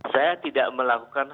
saya tidak melakukan